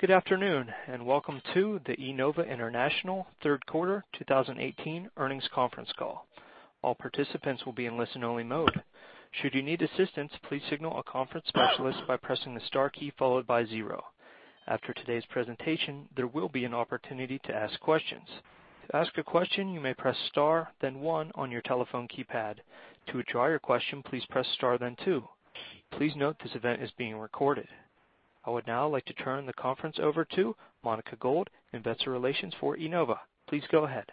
Good afternoon, and welcome to the Enova International Third Quarter 2018 Earnings Conference Call. All participants will be in listen-only mode. Should you need assistance, please signal a conference specialist by pressing the star key followed by zero. After today's presentation, there will be an opportunity to ask questions. To ask a question, you may press star then one on your telephone keypad. To withdraw your question, please press star then two. Please note this event is being recorded. I would now like to turn the conference over to Monica Gold, investor relations for Enova. Please go ahead.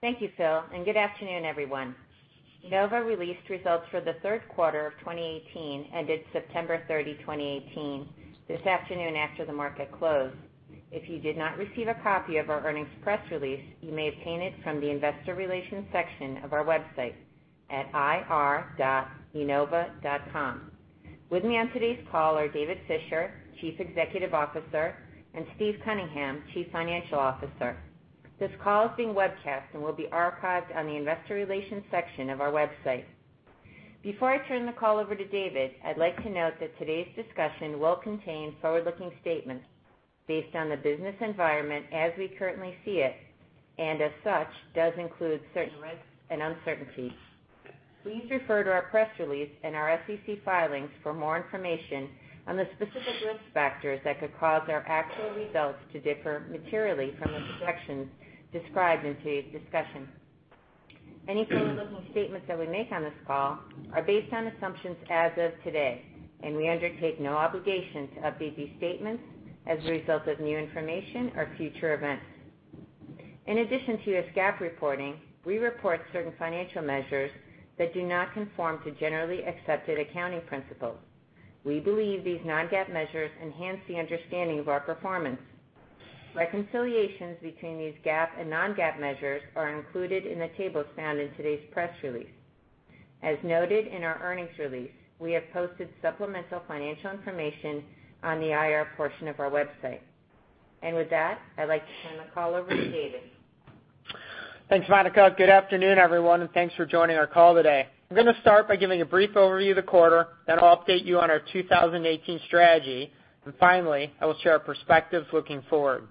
Thank you, Phil, and good afternoon, everyone. Enova released results for the third quarter of 2018, ended September 30, 2018, this afternoon after the market closed. If you did not receive a copy of our earnings press release, you may obtain it from the investor relations section of our website at ir.enova.com. With me on today's call are David Fisher, Chief Executive Officer, and Steve Cunningham, Chief Financial Officer. This call is being webcast and will be archived on the investor relations section of our website. Before I turn the call over to David, I'd like to note that today's discussion will contain forward-looking statements based on the business environment as we currently see it, and as such, does include certain risks and uncertainties. Please refer to our press release and our SEC filings for more information on the specific risk factors that could cause our actual results to differ materially from the projections described in today's discussion. Any forward-looking statements that we make on this call are based on assumptions as of today, and we undertake no obligation to update these statements as a result of new information or future events. In addition to the GAAP reporting, we report certain financial measures that do not conform to generally accepted accounting principles. We believe these non-GAAP measures enhance the understanding of our performance. Reconciliations between these GAAP and non-GAAP measures are included in the tables found in today's press release. As noted in our earnings release, we have posted supplemental financial information on the IR portion of our website. With that, I'd like to turn the call over to David. Thanks, Monica. Good afternoon, everyone, and thanks for joining our call today. I'm going to start by giving a brief overview of the quarter, then I'll update you on our 2018 strategy, and finally, I will share our perspectives looking forward.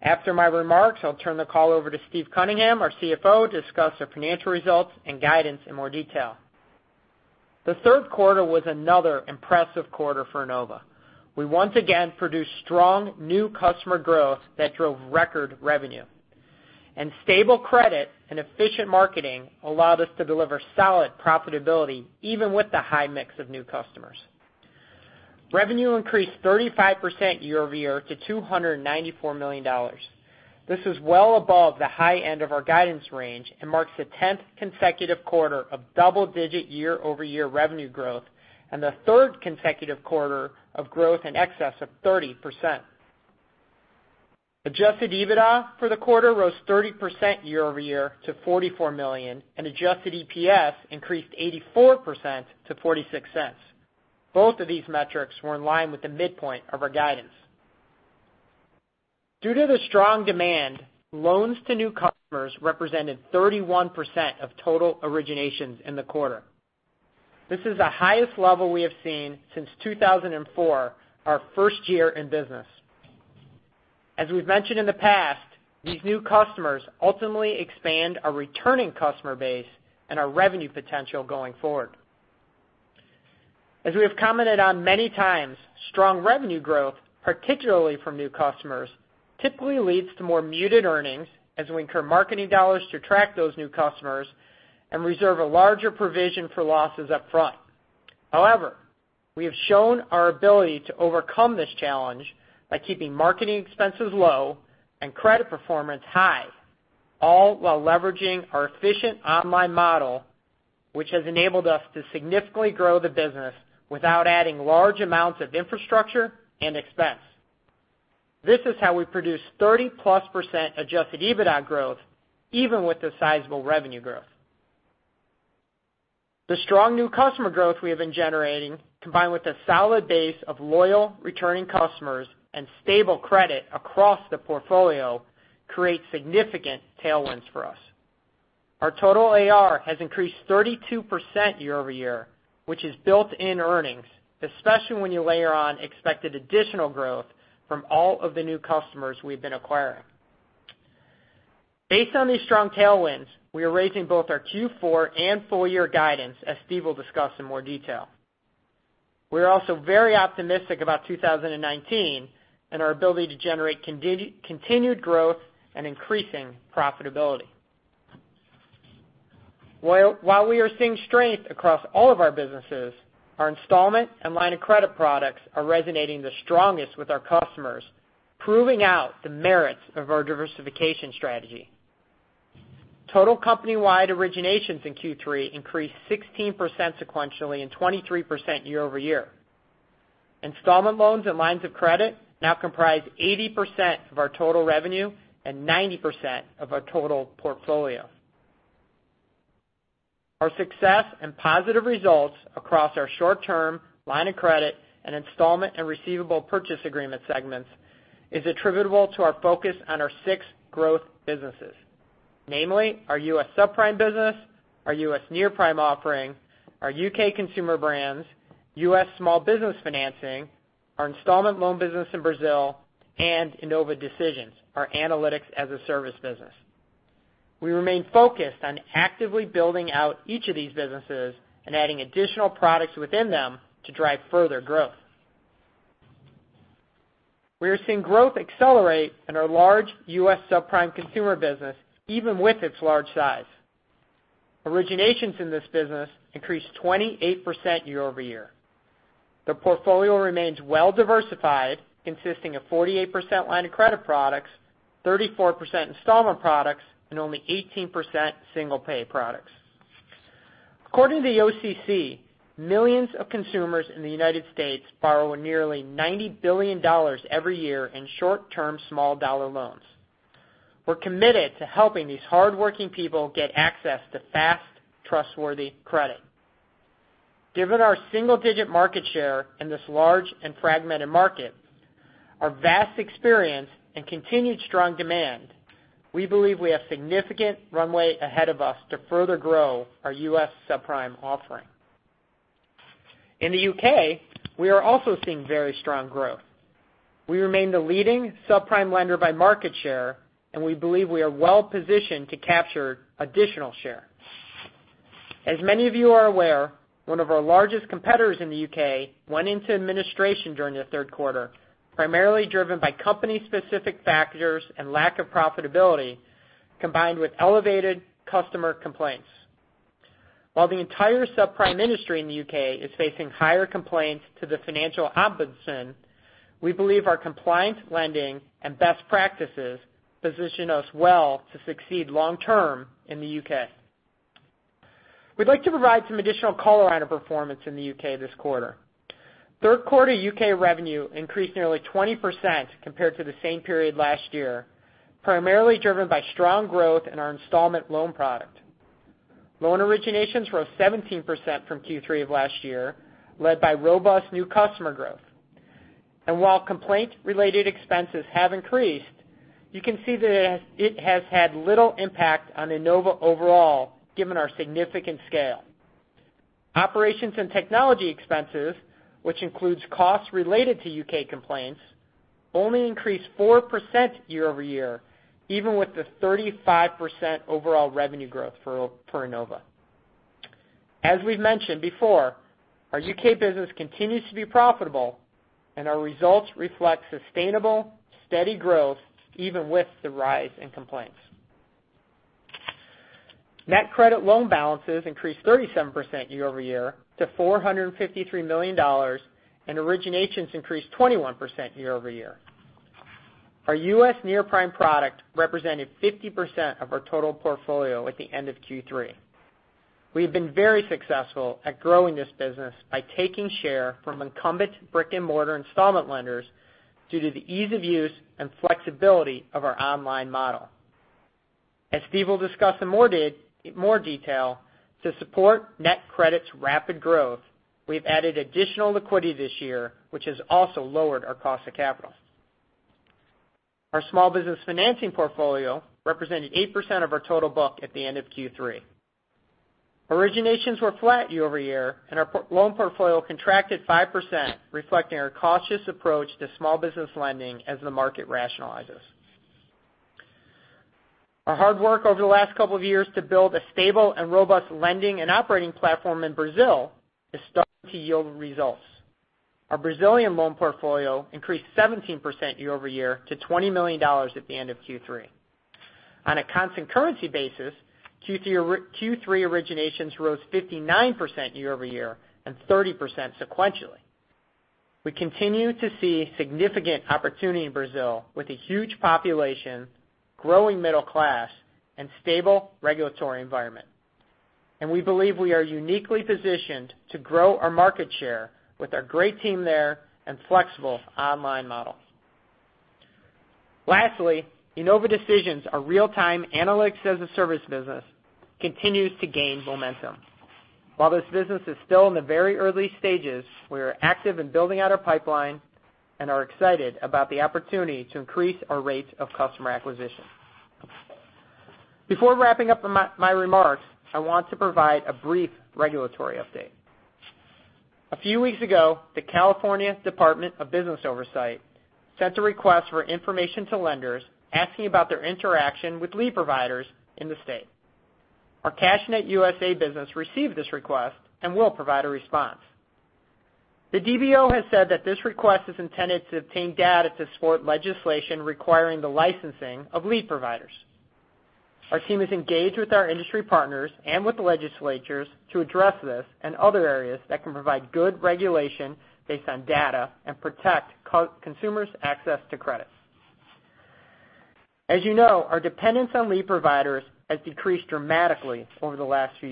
After my remarks, I'll turn the call over to Steve Cunningham, our CFO, to discuss our financial results and guidance in more detail. The third quarter was another impressive quarter for Enova. We once again produced strong new customer growth that drove record revenue. Stable credit and efficient marketing allowed us to deliver solid profitability even with the high mix of new customers. Revenue increased 35% year-over-year to $294 million. This is well above the high end of our guidance range and marks the 10th consecutive quarter of double-digit year-over-year revenue growth and the third consecutive quarter of growth in excess of 30%. Adjusted EBITDA for the quarter rose 30% year-over-year to $44 million, and adjusted EPS increased 84% to $0.46. Both of these metrics were in line with the midpoint of our guidance. Due to the strong demand, loans to new customers represented 31% of total originations in the quarter. This is the highest level we have seen since 2004, our first year in business. As we've mentioned in the past, these new customers ultimately expand our returning customer base and our revenue potential going forward. As we have commented on many times, strong revenue growth, particularly from new customers, typically leads to more muted earnings as we incur marketing dollars to track those new customers and reserve a larger provision for losses up front. We have shown our ability to overcome this challenge by keeping marketing expenses low and credit performance high, all while leveraging our efficient online model, which has enabled us to significantly grow the business without adding large amounts of infrastructure and expense. This is how we produce 30-plus% adjusted EBITDA growth even with the sizable revenue growth. The strong new customer growth we have been generating, combined with a solid base of loyal returning customers and stable credit across the portfolio, creates significant tailwinds for us. Our total AR has increased 32% year-over-year, which is built in earnings, especially when you layer on expected additional growth from all of the new customers we've been acquiring. Based on these strong tailwinds, we are raising both our Q4 and full-year guidance, as Steve will discuss in more detail. We're also very optimistic about 2019 and our ability to generate continued growth and increasing profitability. While we are seeing strength across all of our businesses, our installment and line of credit products are resonating the strongest with our customers, proving out the merits of our diversification strategy. Total company-wide originations in Q3 increased 16% sequentially and 23% year-over-year. Installment loans and lines of credit now comprise 80% of our total revenue and 90% of our total portfolio. Our success and positive results across our short-term line of credit and installment and receivable purchase agreement segments is attributable to our focus on our six growth businesses. Namely our U.S. subprime business, our U.S. near-prime offering, our U.K. consumer brands, U.S. small business financing, our installment loan business in Brazil, and Enova Decisions, our analytics-as-a-service business. We remain focused on actively building out each of these businesses and adding additional products within them to drive further growth. We are seeing growth accelerate in our large U.S. subprime consumer business, even with its large size. Originations in this business increased 28% year-over-year. The portfolio remains well-diversified, consisting of 48% line of credit products, 34% installment products, and only 18% single pay products. According to the OCC, millions of consumers in the United States borrow nearly $90 billion every year in short-term, small-dollar loans. We're committed to helping these hardworking people get access to fast, trustworthy credit. Given our single-digit market share in this large and fragmented market, our vast experience, and continued strong demand, we believe we have significant runway ahead of us to further grow our U.S. subprime offering. In the U.K., we are also seeing very strong growth. We remain the leading subprime lender by market share, we believe we are well-positioned to capture additional share. As many of you are aware, one of our largest competitors in the U.K. went into administration during the third quarter, primarily driven by company-specific factors and lack of profitability, combined with elevated customer complaints. While the entire subprime industry in the U.K. is facing higher complaints to the Financial Ombudsman, we believe our compliant lending and best practices position us well to succeed long-term in the U.K. We'd like to provide some additional color on our performance in the U.K. this quarter. Third quarter U.K. revenue increased nearly 20% compared to the same period last year, primarily driven by strong growth in our installment loan product. Loan originations rose 17% from Q3 of last year, led by robust new customer growth. While complaint-related expenses have increased, you can see that it has had little impact on Enova overall, given our significant scale. Operations and technology expenses, which includes costs related to U.K. complaints, only increased 4% year-over-year, even with the 35% overall revenue growth for Enova. As we've mentioned before, our U.K. business continues to be profitable, and our results reflect sustainable, steady growth even with the rise in complaints. NetCredit loan balances increased 37% year-over-year to $453 million, originations increased 21% year-over-year. Our U.S. near-prime product represented 50% of our total portfolio at the end of Q3. We've been very successful at growing this business by taking share from incumbent brick-and-mortar installment lenders due to the ease of use and flexibility of our online model. As Steve will discuss in more detail, to support NetCredit's rapid growth, we've added additional liquidity this year, which has also lowered our cost of capital. Our small business financing portfolio represented 8% of our total book at the end of Q3. Originations were flat year-over-year, our loan portfolio contracted 5%, reflecting our cautious approach to small business lending as the market rationalizes. Our hard work over the last couple of years to build a stable and robust lending and operating platform in Brazil is starting to yield results. Our Brazilian loan portfolio increased 17% year-over-year to $20 million at the end of Q3. On a constant currency basis, Q3 originations rose 59% year-over-year and 30% sequentially. We continue to see significant opportunity in Brazil with a huge population, growing middle class, and stable regulatory environment. We believe we are uniquely positioned to grow our market share with our great team there and flexible online model. Lastly, Enova Decisions, our real-time analytics-as-a-service business, continues to gain momentum. While this business is still in the very early stages, we are active in building out our pipeline and are excited about the opportunity to increase our rate of customer acquisition. Before wrapping up my remarks, I want to provide a brief regulatory update. A few weeks ago, the California Department of Business Oversight sent a request for information to lenders asking about their interaction with lead providers in the state. Our CashNetUSA business received this request and will provide a response. The DBO has said that this request is intended to obtain data to support legislation requiring the licensing of lead providers. Our team is engaged with our industry partners and with the legislatures to address this and other areas that can provide good regulation based on data and protect consumers' access to credit. As you know, our dependence on lead providers has decreased dramatically over the last few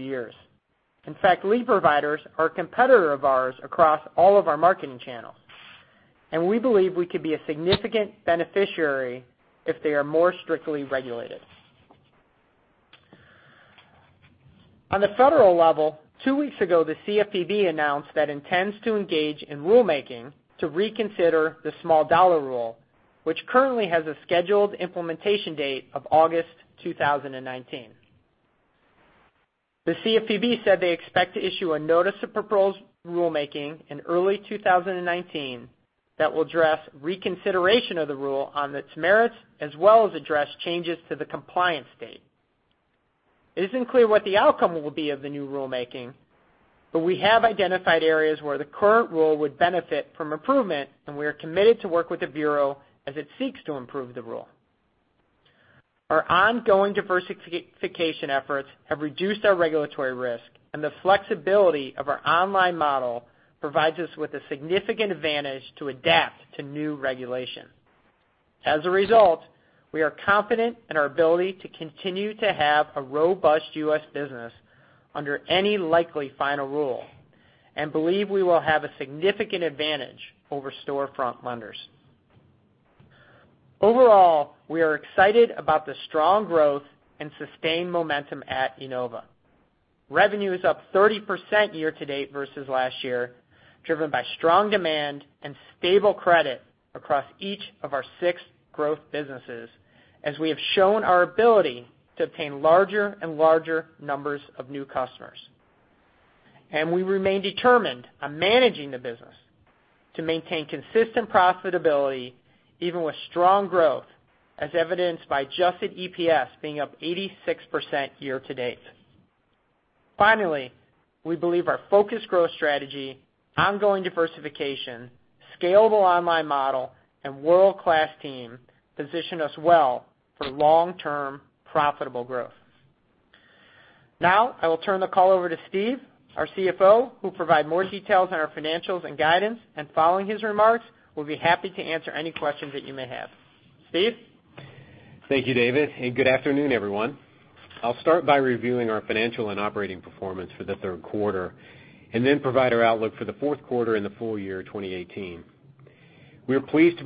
years. In fact, lead providers are a competitor of ours across all of our marketing channels. We believe we could be a significant beneficiary if they are more strictly regulated. On the federal level, two weeks ago, the CFPB announced that intends to engage in rulemaking to reconsider the small dollar rule, which currently has a scheduled implementation date of August 2019. The CFPB said they expect to issue a notice of proposed rulemaking in early 2019 that will address reconsideration of the rule on its merits, as well as address changes to the compliance date. It isn't clear what the outcome will be of the new rulemaking, we have identified areas where the current rule would benefit from improvement, and we are committed to work with the Bureau as it seeks to improve the rule. Our ongoing diversification efforts have reduced our regulatory risk, and the flexibility of our online model provides us with a significant advantage to adapt to new regulation. As a result, we are confident in our ability to continue to have a robust U.S. business under any likely final rule, and believe we will have a significant advantage over storefront lenders. Overall, we are excited about the strong growth and sustained momentum at Enova. Revenue is up 30% year-to-date versus last year, driven by strong demand and stable credit across each of our six growth businesses, as we have shown our ability to obtain larger and larger numbers of new customers. We remain determined on managing the business to maintain consistent profitability, even with strong growth, as evidenced by adjusted EPS being up 86% year-to-date. Finally, we believe our focused growth strategy, ongoing diversification, scalable online model, and world-class team position us well for long-term profitable growth. Now, I will turn the call over to Steve, our CFO, who'll provide more details on our financials and guidance, and following his remarks, we'll be happy to answer any questions that you may have. Steve? Thank you, David, and good afternoon, everyone. I'll start by reviewing our financial and operating performance for the third quarter, and then provide our outlook for the fourth quarter and the full year 2018. We are pleased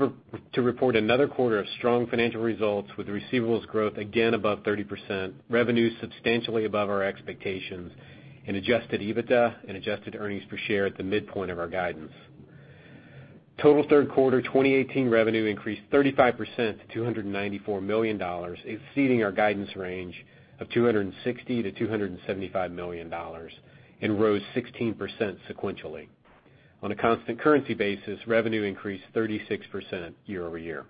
to report another quarter of strong financial results with receivables growth again above 30%, revenue substantially above our expectations, and adjusted EBITDA and adjusted earnings per share at the midpoint of our guidance. Total third quarter 2018 revenue increased 35% to $294 million, exceeding our guidance range of $260 million-$275 million, and rose 16% sequentially. On a constant currency basis, revenue increased 36% year-over-year.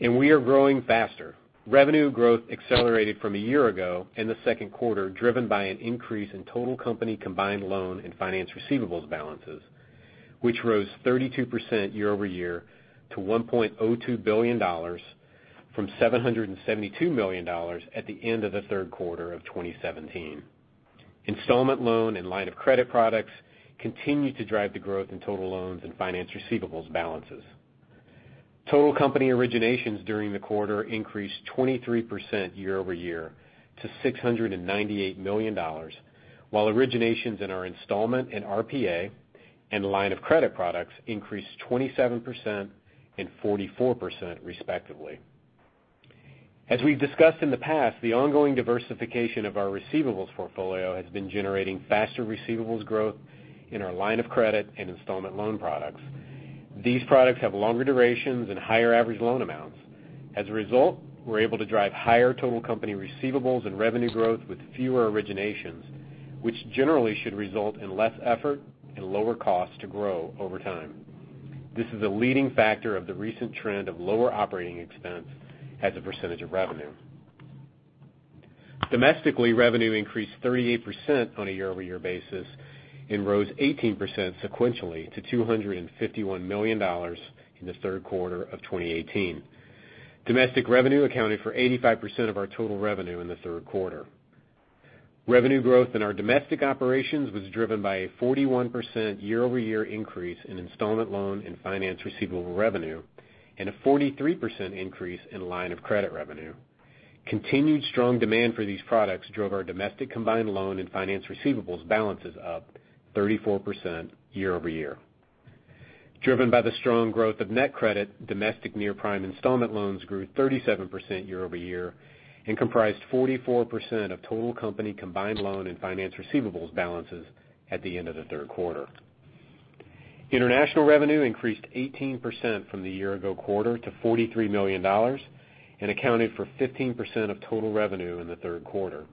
We are growing faster. Revenue growth accelerated from a year ago in the second quarter, driven by an increase in total company combined loan and finance receivables balances, which rose 32% year-over-year to $1.02 billion from $772 million at the end of the third quarter of 2017. Installment loan and line of credit products continued to drive the growth in total loans and finance receivables balances. Total company originations during the quarter increased 23% year-over-year to $698 million, while originations in our installment and RPA and line of credit products increased 27% and 44% respectively. As we've discussed in the past, the ongoing diversification of our receivables portfolio has been generating faster receivables growth in our line of credit and installment loan products. These products have longer durations and higher average loan amounts. As a result, we're able to drive higher total company receivables and revenue growth with fewer originations, which generally should result in less effort and lower cost to grow over time. This is a leading factor of the recent trend of lower operating expense as a percentage of revenue. Domestically, revenue increased 38% on a year-over-year basis and rose 18% sequentially to $251 million in the third quarter of 2018. Domestic revenue accounted for 85% of our total revenue in the third quarter. Revenue growth in our domestic operations was driven by a 41% year-over-year increase in installment loan and finance receivable revenue, and a 43% increase in line of credit revenue. Continued strong demand for these products drove our domestic combined loan and finance receivables balances up 34% year-over-year. Driven by the strong growth of NetCredit, domestic near-prime installment loans grew 37% year-over-year and comprised 44% of total company combined loan and finance receivables balances at the end of the third quarter. International revenue increased 18% from the year-ago quarter to $43 million and accounted for 15% of total revenue in the third quarter.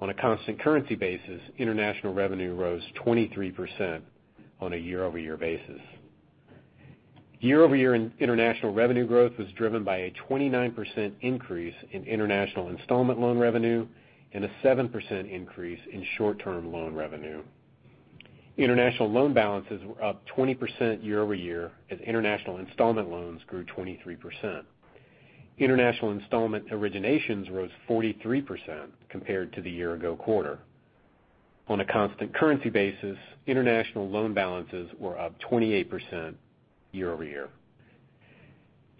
On a constant currency basis, international revenue rose 23% on a year-over-year basis. Year-over-year international revenue growth was driven by a 29% increase in international installment loan revenue and a 7% increase in short-term loan revenue. International loan balances were up 20% year-over-year as international installment loans grew 23%. International installment originations rose 43% compared to the year-ago quarter. On a constant currency basis, international loan balances were up 28% year-over-year.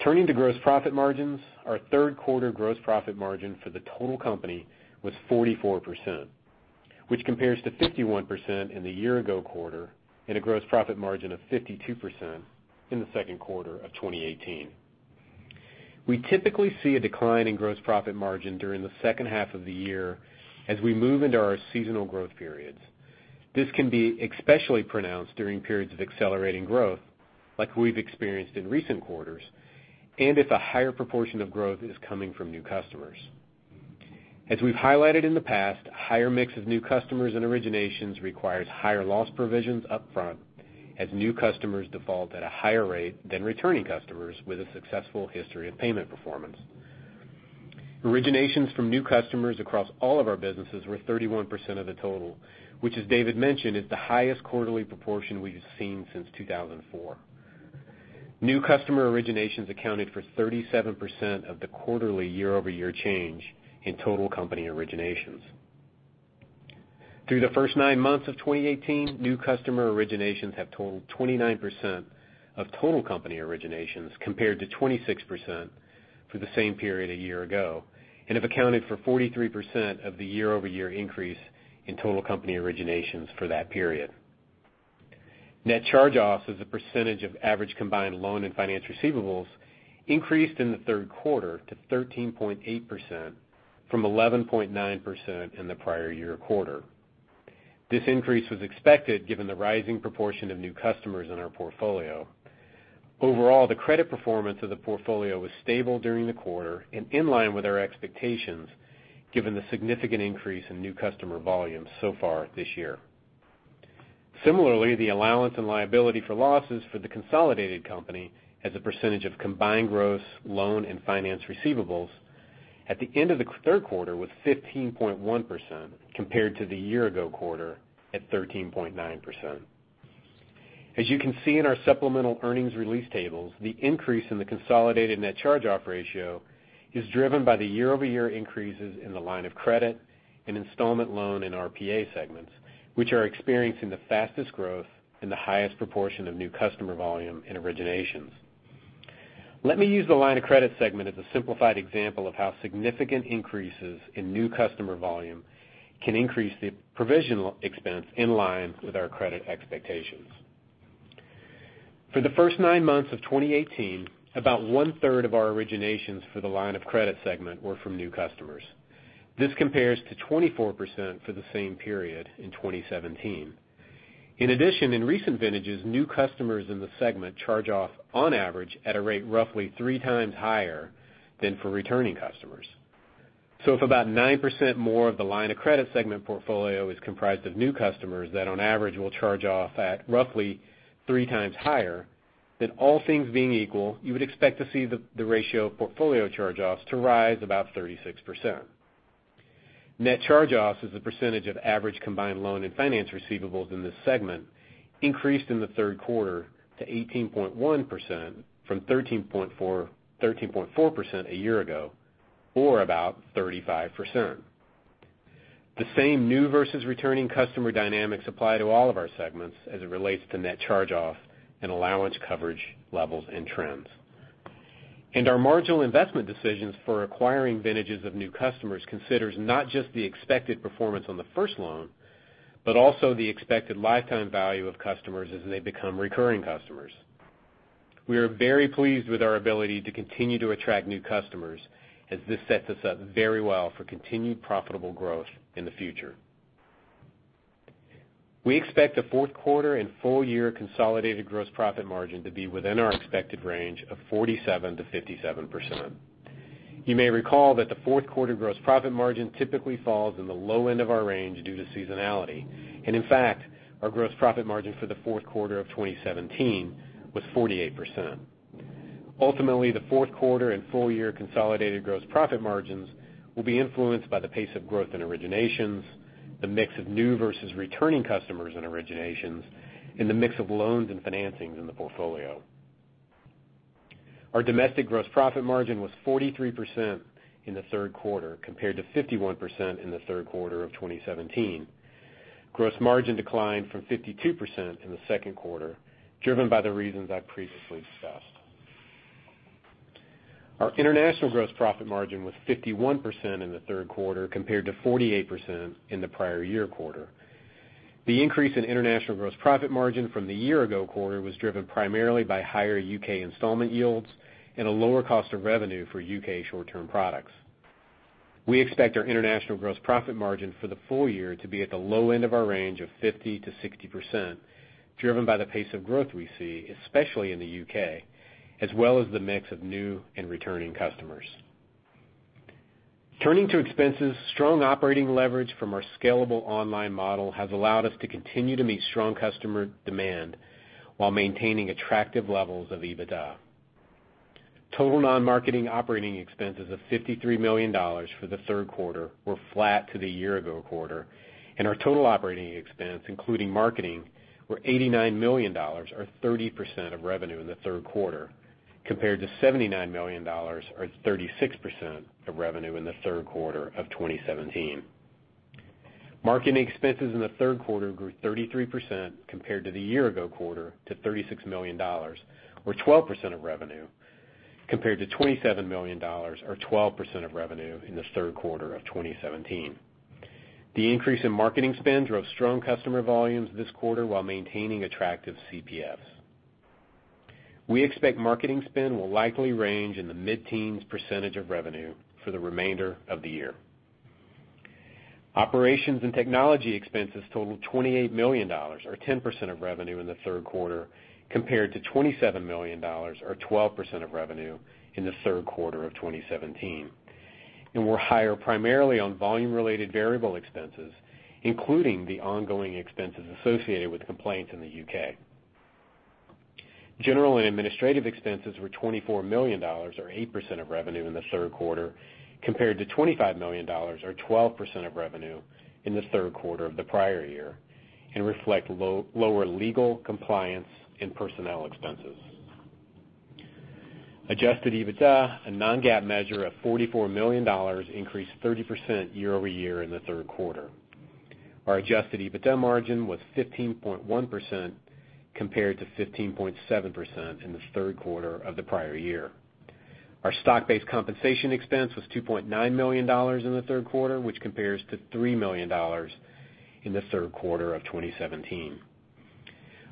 Turning to gross profit margins, our third quarter gross profit margin for the total company was 44%, which compares to 51% in the year-ago quarter and a gross profit margin of 52% in the second quarter of 2018. We typically see a decline in gross profit margin during the second half of the year as we move into our seasonal growth periods. This can be especially pronounced during periods of accelerating growth like we've experienced in recent quarters, and if a higher proportion of growth is coming from new customers. As we've highlighted in the past, higher mix of new customers and originations requires higher loss provisions upfront, as new customers default at a higher rate than returning customers with a successful history of payment performance. Originations from new customers across all of our businesses were 31% of the total, which, as David mentioned, is the highest quarterly proportion we've seen since 2004. New customer originations accounted for 37% of the quarterly year-over-year change in total company originations. Through the first nine months of 2018, new customer originations have totaled 29% of total company originations, compared to 26% for the same period a year ago, and have accounted for 43% of the year-over-year increase in total company originations for that period. Net charge-offs as a percentage of average combined loan and finance receivables increased in the third quarter to 13.8% from 11.9% in the prior year quarter. This increase was expected given the rising proportion of new customers in our portfolio. Overall, the credit performance of the portfolio was stable during the quarter and in line with our expectations, given the significant increase in new customer volume so far this year. Similarly, the allowance and liability for losses for the consolidated company as a percentage of combined gross loan and finance receivables at the end of the third quarter was 15.1%, compared to the year-ago quarter at 13.9%. As you can see in our supplemental earnings release tables, the increase in the consolidated net charge-off ratio is driven by the year-over-year increases in the line of credit and installment loan in RPA segments, which are experiencing the fastest growth and the highest proportion of new customer volume and originations. Let me use the line of credit segment as a simplified example of how significant increases in new customer volume can increase the provisional expense in line with our credit expectations. For the first nine months of 2018, about one-third of our originations for the line of credit segment were from new customers. This compares to 24% for the same period in 2017. In addition, in recent vintages, new customers in the segment charge off on average at a rate roughly three times higher than for returning customers. If about 9% more of the line of credit segment portfolio is comprised of new customers that on average will charge off at roughly three times higher, then all things being equal, you would expect to see the ratio of portfolio charge-offs to rise about 36%. Net charge-offs as a percentage of average combined loan and finance receivables in this segment increased in the third quarter to 18.1% from 13.4% a year ago, or about 35%. The same new versus returning customer dynamics apply to all of our segments as it relates to net charge-offs and allowance coverage levels and trends. Our marginal investment decisions for acquiring vintages of new customers considers not just the expected performance on the first loan, but also the expected lifetime value of customers as they become recurring customers. We are very pleased with our ability to continue to attract new customers, as this sets us up very well for continued profitable growth in the future. We expect the fourth quarter and full-year consolidated gross profit margin to be within our expected range of 47%-57%. You may recall that the fourth quarter gross profit margin typically falls in the low end of our range due to seasonality. In fact, our gross profit margin for the fourth quarter of 2017 was 48%. Ultimately, the fourth quarter and full-year consolidated gross profit margins will be influenced by the pace of growth in originations, the mix of new versus returning customers in originations, and the mix of loans and financings in the portfolio. Our domestic gross profit margin was 43% in the third quarter, compared to 51% in the third quarter of 2017. Gross margin declined from 52% in the second quarter, driven by the reasons I previously discussed. Our international gross profit margin was 51% in the third quarter, compared to 48% in the prior year quarter. The increase in international gross profit margin from the year-ago quarter was driven primarily by higher U.K. installment yields and a lower cost of revenue for U.K. short-term products. We expect our international gross profit margin for the full year to be at the low end of our range of 50%-60%, driven by the pace of growth we see, especially in the U.K., as well as the mix of new and returning customers. Turning to expenses, strong operating leverage from our scalable online model has allowed us to continue to meet strong customer demand while maintaining attractive levels of EBITDA. Total non-marketing operating expenses of $53 million for the third quarter were flat to the year-ago quarter, and our total operating expense, including marketing, were $89 million, or 30% of revenue in the third quarter, compared to $79 million or 36% of revenue in the third quarter of 2017. Marketing expenses in the third quarter grew 33% compared to the year-ago quarter to $36 million, or 12% of revenue, compared to $27 million or 12% of revenue in the third quarter of 2017. The increase in marketing spend drove strong customer volumes this quarter while maintaining attractive CPFs. We expect marketing spend will likely range in the mid-teens percentage of revenue for the remainder of the year. Operations and technology expenses totaled $28 million, or 10% of revenue in the third quarter, compared to $27 million, or 12% of revenue in the third quarter of 2017, and were higher primarily on volume-related variable expenses, including the ongoing expenses associated with complaints in the U.K. General and administrative expenses were $24 million, or 8% of revenue in the third quarter, compared to $25 million, or 12% of revenue in the third quarter of the prior year, and reflect lower legal, compliance, and personnel expenses. Adjusted EBITDA, a non-GAAP measure of $44 million, increased 30% year-over-year in the third quarter. Our adjusted EBITDA margin was 15.1% compared to 15.7% in the third quarter of the prior year. Our stock-based compensation expense was $2.9 million in the third quarter, which compares to $3 million in the third quarter of 2017.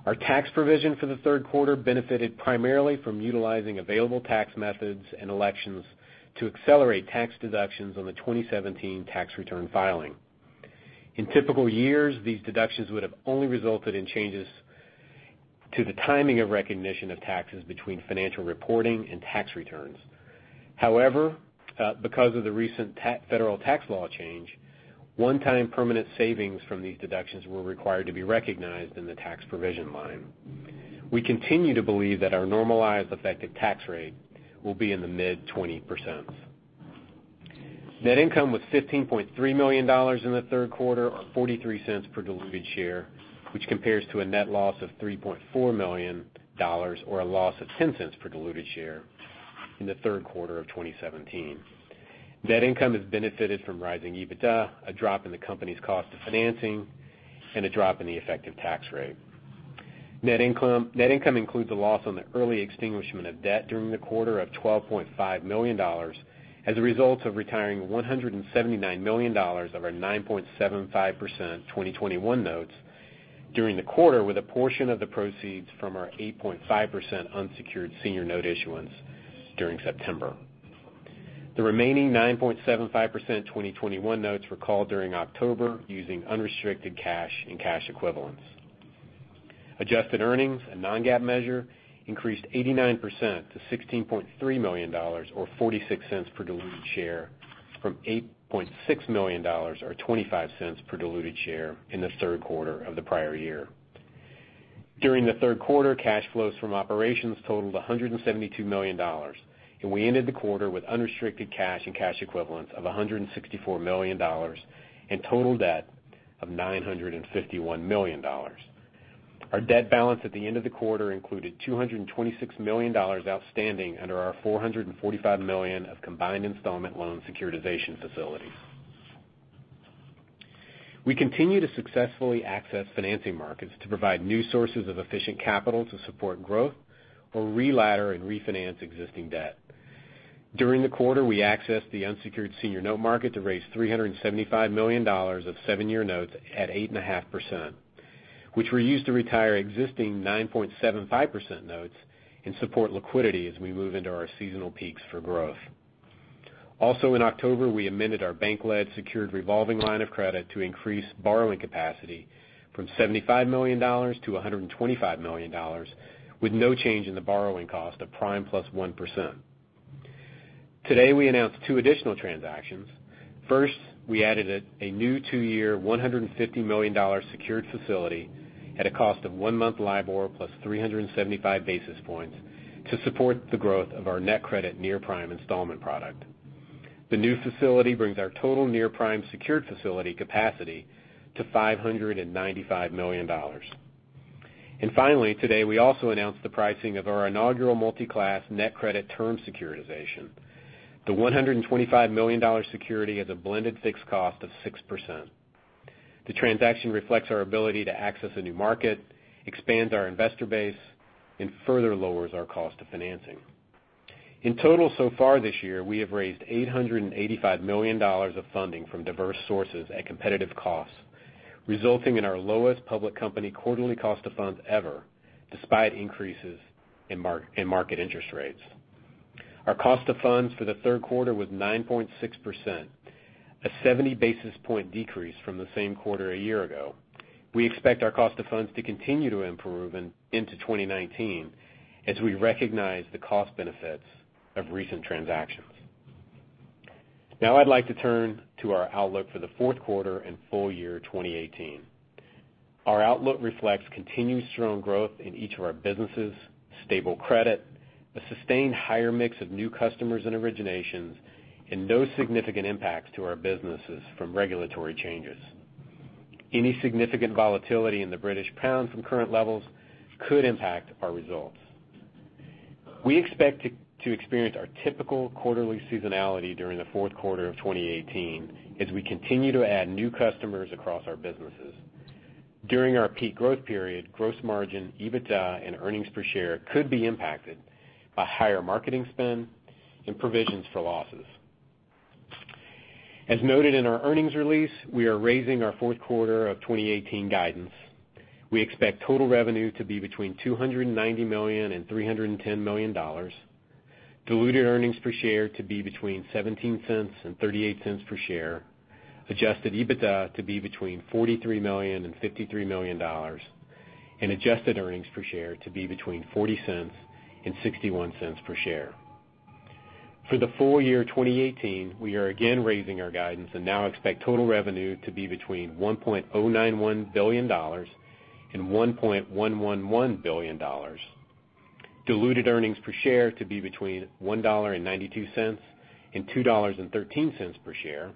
Our tax provision for the third quarter benefited primarily from utilizing available tax methods and elections to accelerate tax deductions on the 2017 tax return filing. In typical years, these deductions would have only resulted in changes to the timing of recognition of taxes between financial reporting and tax returns. However, because of the recent federal tax law change, one-time permanent savings from these deductions were required to be recognized in the tax provision line. We continue to believe that our normalized effective tax rate will be in the mid 20%. Net income was $15.3 million in the third quarter, or $0.43 per diluted share, which compares to a net loss of $3.4 million, or a loss of $0.10 per diluted share in the third quarter of 2017. Net income has benefited from rising EBITDA, a drop in the company's cost of financing, and a drop in the effective tax rate. Net income includes a loss on the early extinguishment of debt during the quarter of $12.5 million as a result of retiring $179 million of our 9.75% 2021 notes during the quarter, with a portion of the proceeds from our 8.5% unsecured senior note issuance during September. The remaining 9.75% 2021 notes were called during October using unrestricted cash and cash equivalents. Adjusted earnings, a non-GAAP measure, increased 89% to $16.3 million, or $0.46 per diluted share, from $8.6 million, or $0.25 per diluted share in the third quarter of the prior year. During the third quarter, cash flows from operations totaled $172 million, and we ended the quarter with unrestricted cash and cash equivalents of $164 million and total debt of $951 million. Our debt balance at the end of the quarter included $226 million outstanding under our $445 million of combined installment loan securitization facilities. We continue to successfully access financing markets to provide new sources of efficient capital to support growth or reladder and refinance existing debt. During the quarter, we accessed the unsecured senior note market to raise $375 million of seven-year notes at 8.5%, which were used to retire existing 9.75% notes and support liquidity as we move into our seasonal peaks for growth. Also in October, we amended our bank-led secured revolving line of credit to increase borrowing capacity from $75 million to $125 million with no change in the borrowing cost of prime plus 1%. Today, we announced two additional transactions. First, we added a new two-year, $150 million secured facility at a cost of one-month LIBOR plus 375 basis points to support the growth of our NetCredit near-prime installment product. The new facility brings our total near prime secured facility capacity to $595 million. Finally, today, we also announced the pricing of our inaugural multi-class NetCredit term securitization. The $125 million security has a blended fixed cost of 6%. The transaction reflects our ability to access a new market, expand our investor base, and further lowers our cost of financing. In total so far this year, we have raised $885 million of funding from diverse sources at competitive costs, resulting in our lowest public company quarterly cost of funds ever, despite increases in market interest rates. Our cost of funds for the third quarter was 9.6%, a 70-basis-point decrease from the same quarter a year ago. We expect our cost of funds to continue to improve into 2019 as we recognize the cost benefits of recent transactions. Now I'd like to turn to our outlook for the fourth quarter and full year 2018. Our outlook reflects continued strong growth in each of our businesses, stable credit, a sustained higher mix of new customers and originations, and no significant impacts to our businesses from regulatory changes. Any significant volatility in the British pound from current levels could impact our results. We expect to experience our typical quarterly seasonality during the fourth quarter of 2018 as we continue to add new customers across our businesses. During our peak growth period, gross margin, EBITDA, and earnings per share could be impacted by higher marketing spend and provisions for losses. As noted in our earnings release, we are raising our fourth quarter of 2018 guidance. We expect total revenue to be between $290 million and $310 million, diluted earnings per share to be between $0.17 and $0.38 per share, adjusted EBITDA to be between $43 million and $53 million, and adjusted earnings per share to be between $0.40 and $0.61 per share. For the full year 2018, we are again raising our guidance and now expect total revenue to be between $1.091 billion and $1.111 billion, diluted earnings per share to be between $1.92 and $2.13 per share,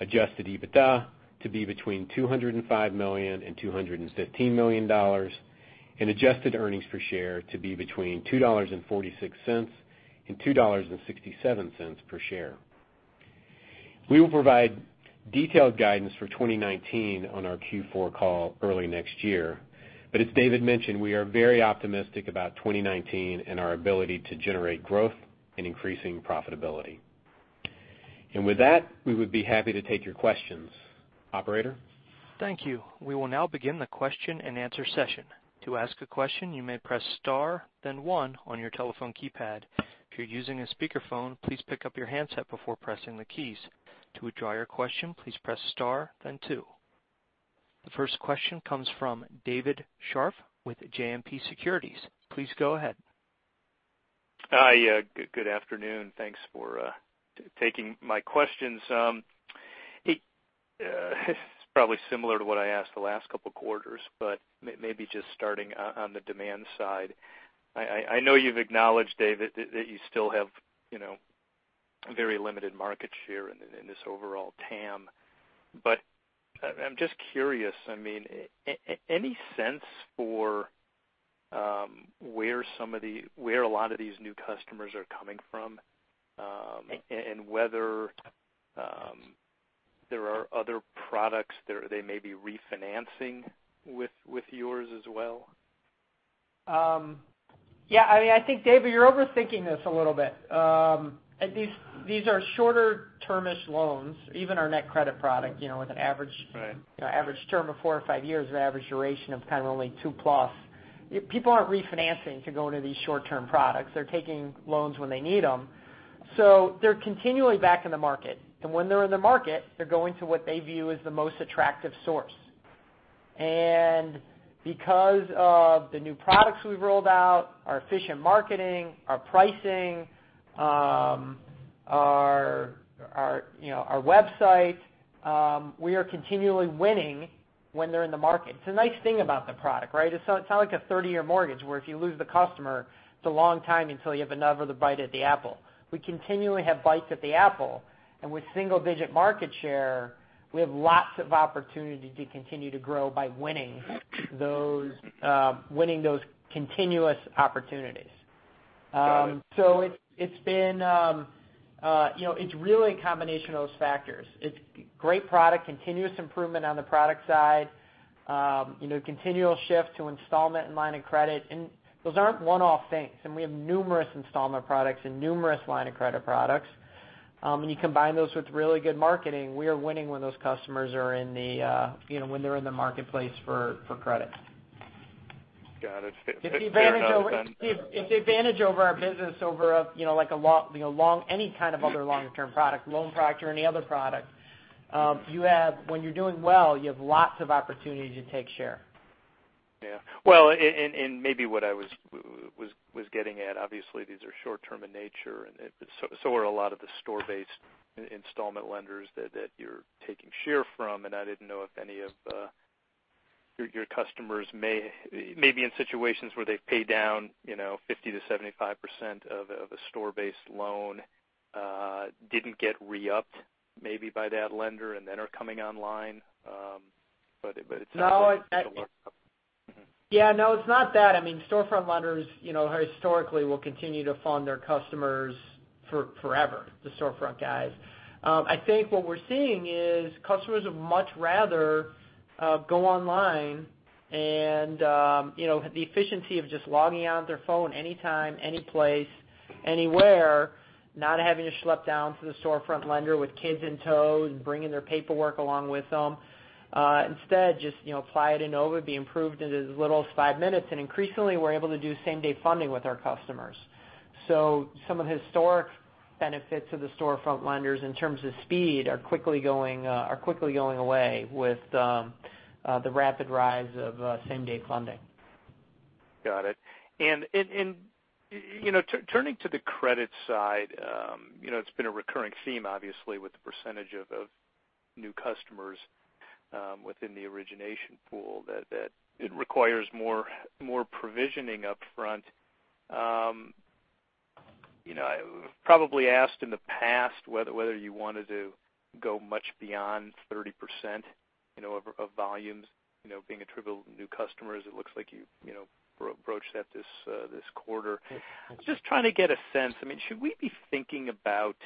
adjusted EBITDA to be between $205 million and $215 million, and adjusted earnings per share to be between $2.46 and $2.67 per share. We will provide detailed guidance for 2019 on our Q4 call early next year. As David mentioned, we are very optimistic about 2019 and our ability to generate growth and increasing profitability. With that, we would be happy to take your questions. Operator? Thank you. We will now begin the question and answer session. To ask a question, you may press star then one on your telephone keypad. If you're using a speakerphone, please pick up your handset before pressing the keys. To withdraw your question, please press star then two. The first question comes from David Scharf with JMP Securities. Please go ahead. Hi. Good afternoon. Thanks for taking my questions. It's probably similar to what I asked the last couple of quarters, maybe just starting on the demand side. I know you've acknowledged, David, that you still have very limited market share in this overall TAM, I'm just curious. Any sense for where a lot of these new customers are coming from, and whether there are other products they may be refinancing with yours as well? Yeah. I think, David, you're overthinking this a little bit. These are shorter term-ish loans. Even our NetCredit product with an average- Right average term of four or five years with average duration of kind of only two plus. People aren't refinancing to go into these short-term products. They're taking loans when they need them. They're continually back in the market. When they're in the market, they're going to what they view as the most attractive source. Because of the new products we've rolled out, our efficient marketing, our pricing, our website, we are continually winning when they're in the market. It's a nice thing about the product, right? It's not like a 30-year mortgage where if you lose the customer, it's a long time until you have another bite at the apple. We continually have bites at the apple. With single-digit market share, we have lots of opportunity to continue to grow by winning those continuous opportunities. Got it. It's really a combination of those factors. It's great product, continuous improvement on the product side, continual shift to installment and line of credit. Those aren't one-off things. We have numerous installment products and numerous line of credit products. When you combine those with really good marketing, we are winning when those customers are in the marketplace for credit. Got it. It's the advantage over our business over any kind of other longer-term product, loan product or any other product. When you're doing well, you have lots of opportunities to take share. Yeah. Well, maybe what I was getting at, obviously these are short-term in nature, and so are a lot of the store-based installment lenders that you're taking share from. I didn't know if any of your customers may be in situations where they've paid down 50%-75% of a store-based loan, didn't get re-upped maybe by that lender and then are coming online. It sounds like. Yeah. No, it's not that. Storefront lenders historically will continue to fund their customers forever, the storefront guys. I think what we're seeing is customers would much rather go online and the efficiency of just logging on to their phone anytime, any place, anywhere, not having to schlep down to the storefront lender with kids in tow and bringing their paperwork along with them. Instead, just apply at Enova, be approved in as little as five minutes. Increasingly, we're able to do same-day funding with our customers. Some of the historic benefits of the storefront lenders in terms of speed are quickly going away with the rapid rise of same-day funding. Got it. Turning to the credit side, it's been a recurring theme, obviously, with the percentage of new customers within the origination pool that it requires more provisioning upfront. I've probably asked in the past whether you wanted to go much beyond 30% of volumes being attributable to new customers. It looks like you've broached that this quarter. Just trying to get a sense. Should we be thinking about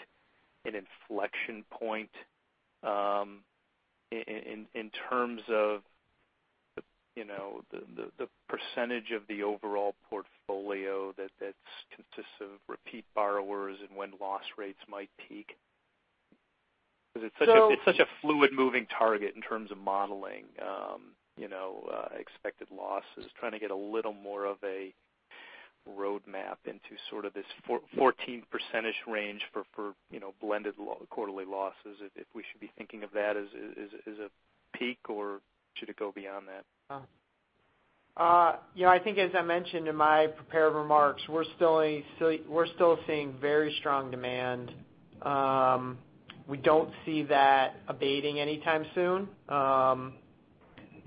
an inflection point in terms of the percentage of the overall portfolio that consists of repeat borrowers and when loss rates might peak. Because it's such a fluid moving target in terms of modeling expected losses. Trying to get a little more of a road map into this 14% range for blended quarterly losses. If we should be thinking of that as a peak, or should it go beyond that? I think, as I mentioned in my prepared remarks, we're still seeing very strong demand. We don't see that abating anytime soon.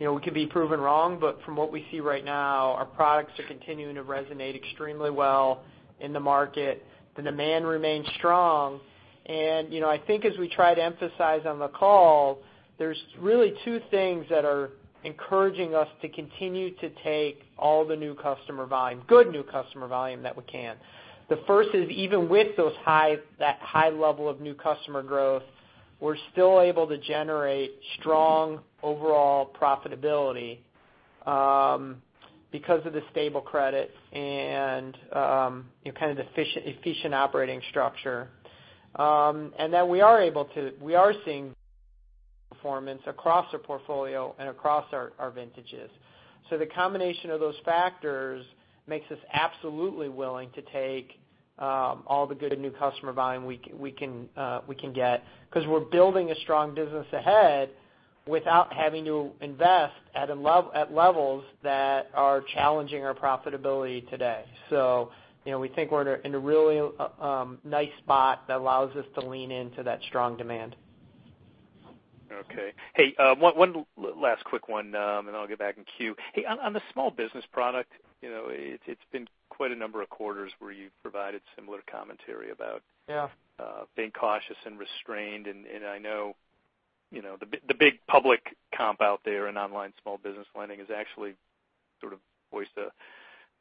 We could be proven wrong, but from what we see right now, our products are continuing to resonate extremely well in the market. The demand remains strong, and I think as we try to emphasize on the call, there's really two things that are encouraging us to continue to take all the new customer volume, good new customer volume, that we can. The first is even with that high level of new customer growth, we're still able to generate strong overall profitability because of the stable credit and kind of the efficient operating structure. That we are seeing performance across our portfolio and across our vintages. The combination of those factors makes us absolutely willing to take all the good new customer volume we can get because we're building a strong business ahead without having to invest at levels that are challenging our profitability today. We think we're in a really nice spot that allows us to lean into that strong demand. Okay. Hey, one last quick one, and then I'll get back in queue. Hey, on the small business product, it's been quite a number of quarters where you've provided similar commentary. Yeah being cautious and restrained. I know the big public comp out there in online small business lending has actually sort of voiced a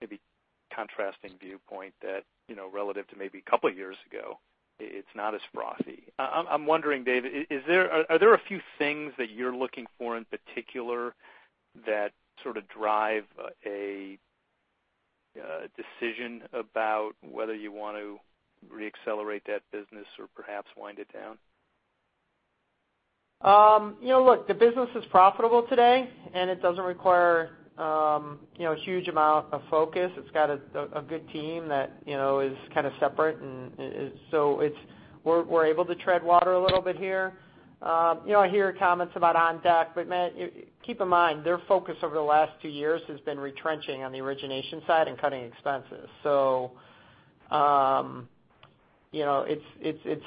maybe contrasting viewpoint that relative to maybe a couple of years ago, it's not as frothy. I'm wondering, David, are there a few things that you're looking for in particular that sort of drive a decision about whether you want to re-accelerate that business or perhaps wind it down? Look, the business is profitable today. It doesn't require a huge amount of focus. It's got a good team that is kind of separate. We're able to tread water a little bit here. I hear comments about OnDeck, but man, keep in mind, their focus over the last two years has been retrenching on the origination side and cutting expenses. It's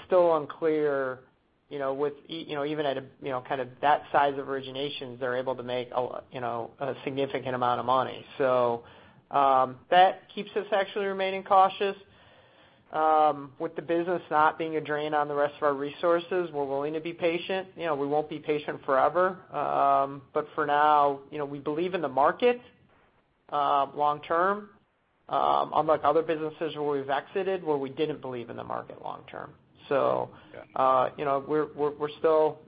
still unclear, even at that size of originations, they're able to make a significant amount of money. That keeps us actually remaining cautious. With the business not being a drain on the rest of our resources, we're willing to be patient. We won't be patient forever. For now, we believe in the market long term unlike other businesses where we've exited where we didn't believe in the market long term. Got you We're still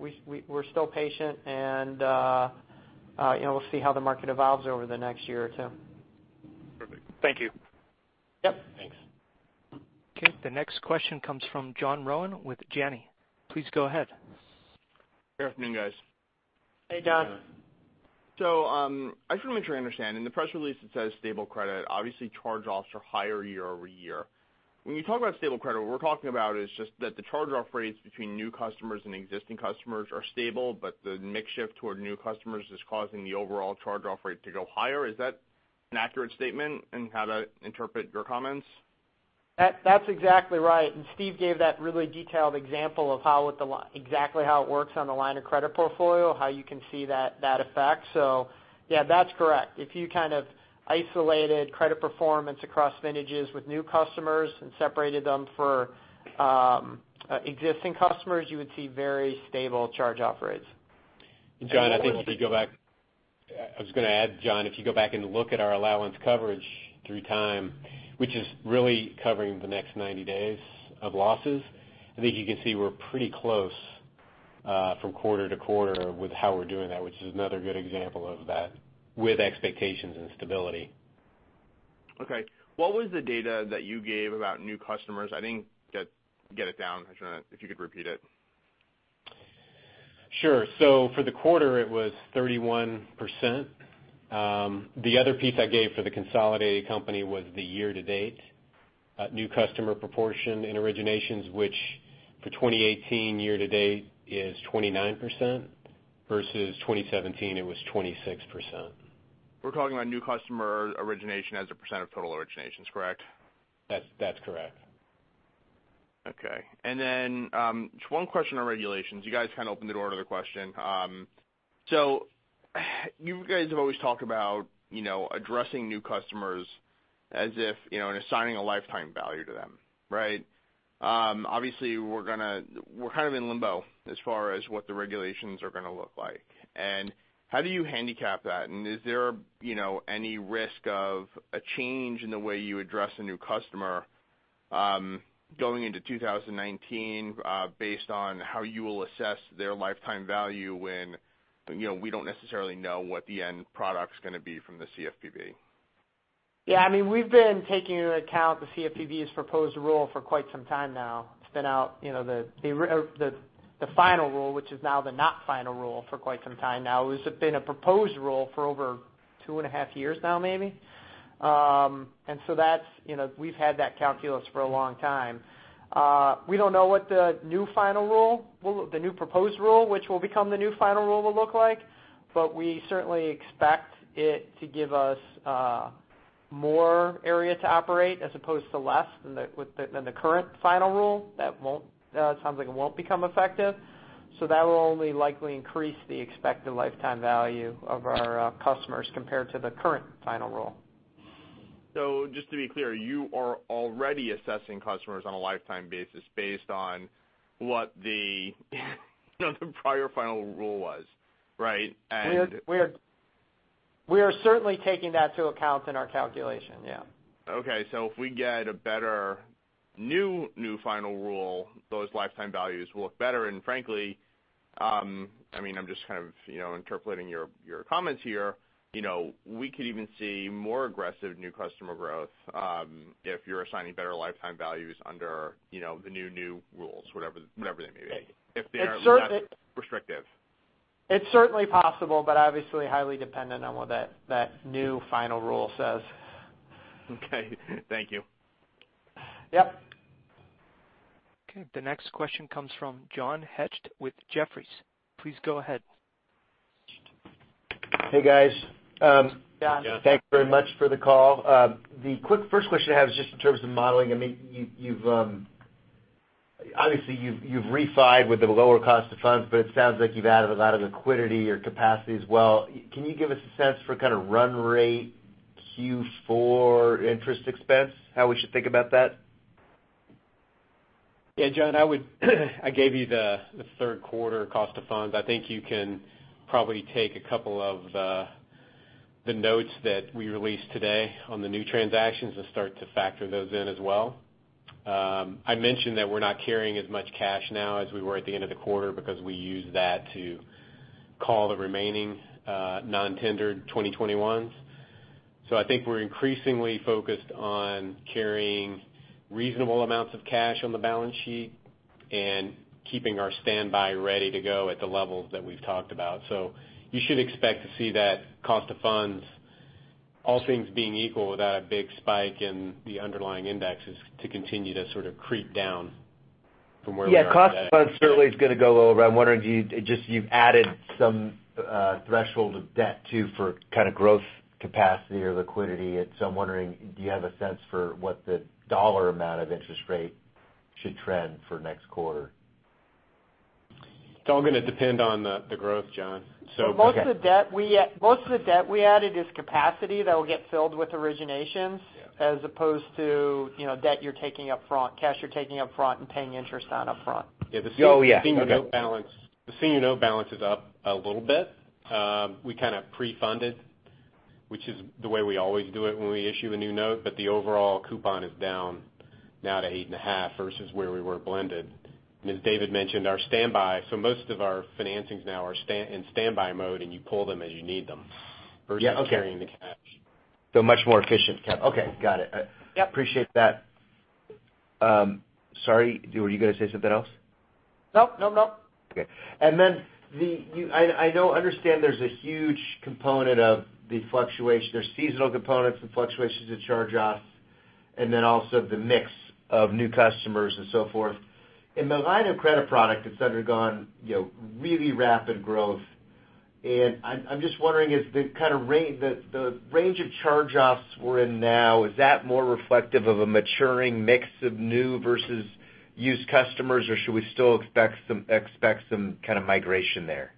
patient. We'll see how the market evolves over the next year or two. Perfect. Thank you. Yep. Thanks. Okay. The next question comes from John Rowan with Janney. Please go ahead. Good afternoon, guys. Hey, John. I just want to make sure I understand. In the press release it says stable credit. Obviously, charge-offs are higher year-over-year. When you talk about stable credit, what we're talking about is just that the charge-off rates between new customers and existing customers are stable, but the mix shift toward new customers is causing the overall charge-off rate to go higher. Is that an accurate statement in how to interpret your comments? That's exactly right. Steve gave that really detailed example of exactly how it works on the line of credit portfolio, how you can see that effect. Yeah, that's correct. If you kind of isolated credit performance across vintages with new customers and separated them for existing customers, you would see very stable charge-off rates. John, I think I was going to add, John, if you go back and look at our allowance coverage through time, which is really covering the next 90 days of losses, I think you can see we're pretty close from quarter-to-quarter with how we're doing that, which is another good example of that with expectations and stability. Okay. What was the data that you gave about new customers? I didn't get it down. I just wonder if you could repeat it. Sure. For the quarter it was 31%. The other piece I gave for the consolidated company was the year-to-date new customer proportion in originations which for 2018 year-to-date is 29%, versus 2017 it was 26%. We're talking about new customer origination as a % of total originations, correct? That's correct. Okay. Just one question on regulations. You guys kind of opened the door to the question. You guys have always talked about addressing new customers as if, and assigning a lifetime value to them, right? Obviously, we're kind of in limbo as far as what the regulations are going to look like. How do you handicap that? Is there any risk of a change in the way you address a new customer going into 2019, based on how you will assess their lifetime value when we don't necessarily know what the end product's going to be from the CFPB. Yeah. We've been taking into account the CFPB's proposed rule for quite some time now. It's been out, the final rule, which is now the not final rule for quite some time now. It's been a proposed rule for over two and a half years now, maybe. We've had that calculus for a long time. We don't know what the new proposed rule, which will become the new final rule, will look like, but we certainly expect it to give us more area to operate as opposed to less than the current final rule that sounds like it won't become effective. That will only likely increase the expected lifetime value of our customers compared to the current final rule. Just to be clear, you are already assessing customers on a lifetime basis based on what the prior final rule was. Right? We are certainly taking that to account in our calculation, yeah. Okay, if we get a better new final rule, those lifetime values will look better, and frankly, I'm just kind of interpolating your comments here. We could even see more aggressive new customer growth if you're assigning better lifetime values under the new rules, whatever they may be. If they aren't less restrictive. It's certainly possible, but obviously highly dependent on what that new final rule says. Okay, thank you. Yep. Okay, the next question comes from John Hecht with Jefferies. Please go ahead. Hey, guys. John. Thank you very much for the call. The quick first question I have is just in terms of modeling. Obviously, you've refied with the lower cost of funds, but it sounds like you've added a lot of liquidity or capacity as well. Can you give us a sense for kind of run rate Q4 interest expense, how we should think about that? Yeah, John, I gave you the third quarter cost of funds. I think you can probably take a couple of the notes that we released today on the new transactions and start to factor those in as well. I mentioned that we're not carrying as much cash now as we were at the end of the quarter because we used that to call the remaining non-tendered 2021s. I think we're increasingly focused on carrying reasonable amounts of cash on the balance sheet and keeping our standby ready to go at the levels that we've talked about. You should expect to see that cost of funds, all things being equal, without a big spike in the underlying indexes to continue to sort of creep down from where we are today. Yeah, cost of funds certainly is going to go a little bit. I'm wondering, you've added some threshold of debt too for kind of growth capacity or liquidity. I'm wondering, do you have a sense for what the dollar amount of interest rate should trend for next quarter? It's all going to depend on the growth, John. Most of the debt we added is capacity that will get filled with originations. Yeah as opposed to debt you're taking up front, cash you're taking up front and paying interest on upfront. Oh, yeah. Okay. The senior note balance is up a little bit. We kind of pre-funded, which is the way we always do it when we issue a new note, but the overall coupon is down now to eight and a half versus where we were blended. As David Fisher mentioned, our standby. Most of our financings now are in standby mode, and you pull them as you need them. Yeah. Okay. versus carrying the cash. Much more efficient. Okay. Got it. Yep. Appreciate that. Sorry, were you going to say something else? No. Okay. I now understand there's a huge component of the fluctuation, there's seasonal components and fluctuations in charge-offs, and then also the mix of new customers and so forth. In the line of credit product that's undergone really rapid growth, and I'm just wondering, the range of charge-offs we're in now, is that more reflective of a maturing mix of new versus used customers, or should we still expect some kind of migration there?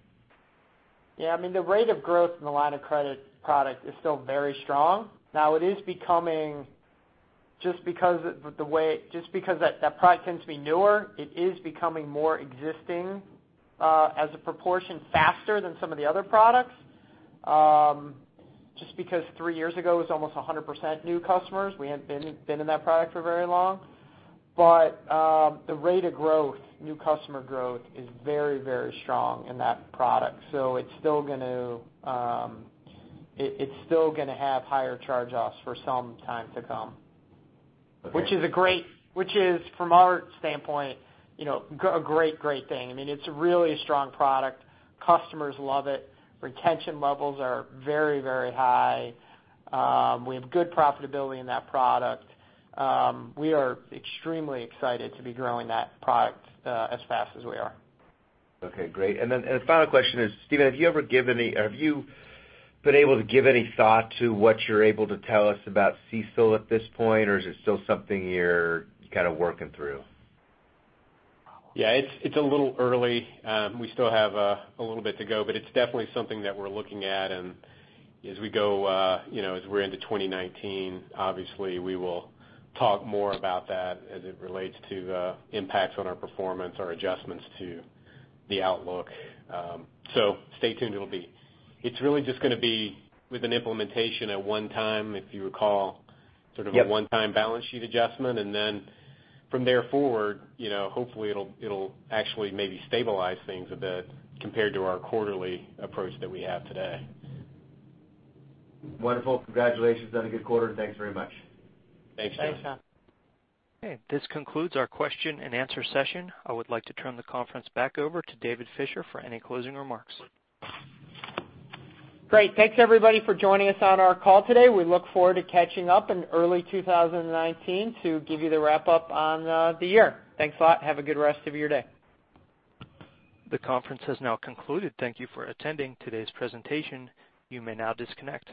Yeah. The rate of growth in the line of credit product is still very strong. Just because that product tends to be newer, it is becoming more existing, as a proportion faster than some of the other products. Just because 3 years ago, it was almost 100% new customers. We hadn't been in that product for very long. The rate of new customer growth is very strong in that product. It's still going to have higher charge-offs for some time to come. Okay. Which is from our standpoint, a great thing. It's a really strong product. Customers love it. Retention levels are very high. We have good profitability in that product. We are extremely excited to be growing that product as fast as we are. Okay, great. The final question is, Steve, have you been able to give any thought to what you're able to tell us about CECL at this point, or is it still something you're kind of working through? Yeah. It's a little early. We still have a little bit to go, but it's definitely something that we're looking at. As we're into 2019, obviously, we will talk more about that as it relates to impacts on our performance or adjustments to the outlook. Stay tuned. It's really just going to be with an implementation at one time, if you recall. Yep sort of a one-time balance sheet adjustment. From there forward, hopefully it'll actually maybe stabilize things a bit compared to our quarterly approach that we have today. Wonderful. Congratulations on a good quarter. Thanks very much. Thanks, John. Thanks, John. Okay. This concludes our question and answer session. I would like to turn the conference back over to David Fisher for any closing remarks. Great. Thanks everybody for joining us on our call today. We look forward to catching up in early 2019 to give you the wrap-up on the year. Thanks a lot. Have a good rest of your day. The conference has now concluded. Thank you for attending today's presentation. You may now disconnect.